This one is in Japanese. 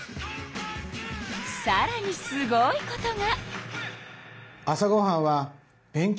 さらにすごいことが。